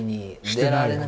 してない。